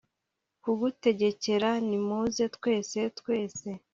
kugutegekera; nimuze twese twese